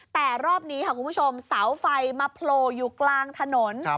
แต่รอบนี้ค่ะคุณผู้ชมเสาไฟมาโผล่อยู่กลางถนน